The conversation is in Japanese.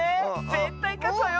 ぜったいかつわよ！